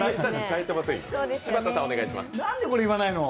なんでこれ言わないの？